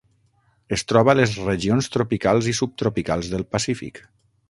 Es troba a les regions tropicals i subtropicals del Pacífic.